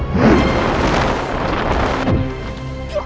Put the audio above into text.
kami akan mencari raden pemalarasa